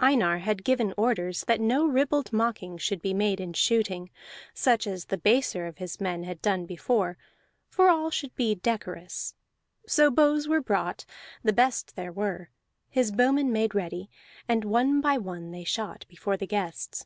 Einar had given orders that no ribald mocking should be made in shooting, such as the baser of his men had done before, for all should be decorous. So bows were brought, the best there were; his bowmen made ready, and one by one they shot before the guests.